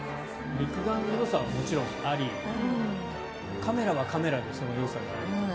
肉眼のよさはもちろんありカメラはカメラでそのよさがある。